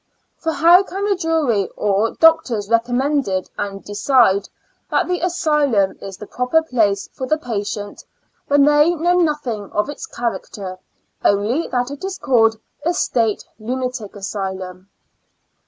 For how can a jury or doctors recommend and decide that the asylum is the proper place for the patient, when they know nothing of its character, only that it is called a State Lunatic Asylum